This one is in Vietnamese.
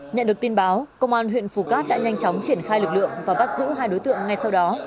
nhận được tin báo công an huyện phù cát đã nhanh chóng triển khai lực lượng và bắt giữ hai đối tượng ngay sau đó